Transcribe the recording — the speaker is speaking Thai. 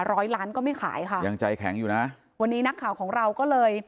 ร้อยล้านก็ไม่ขายค่ะยังใจแข็งอยู่นะวันนี้นักข่าวของเราก็เลย